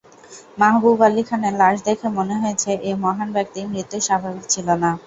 মাহবুব আলী খানের লাশ দেখে মনে হয়েছে এ মহান ব্যক্তির মৃত্যু স্বাভাবিক ছিল না।